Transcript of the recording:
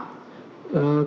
kemendagri yang mulia